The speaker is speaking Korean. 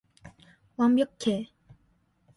완벽해!